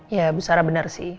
ya musara benar sih